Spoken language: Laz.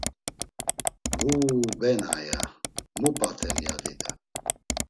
“Vuuu benaa!” ya; “Mu p̌aten?” ya dida.